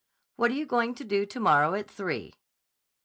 What are you going to do tomorrow at three?"